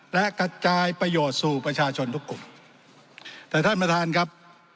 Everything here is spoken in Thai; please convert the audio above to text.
และกระจายประโยชน์สู่ประชาชนทุกกลุ่มแต่ท่านประธานครับ